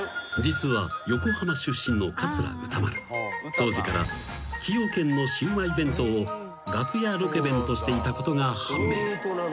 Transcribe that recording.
［当時から崎陽軒のシウマイ弁当を楽屋ロケ弁としていたことが判明］